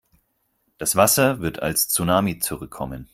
Das Wasser wird als Tsunami zurückkommen.